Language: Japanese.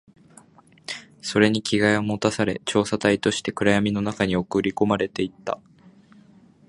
それに着替えを持たされ、調査隊として暗闇の中に送り込まれていった